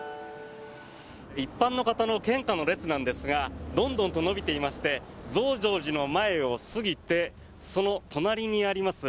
一般の方の献花の列なんですがどんどんと延びていまして増上寺の前を過ぎてその隣にあります